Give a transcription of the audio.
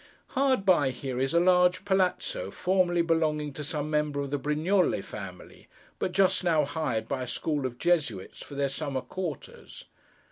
Hard by here is a large Palazzo, formerly belonging to some member of the Brignole family, but just now hired by a school of Jesuits for their summer quarters.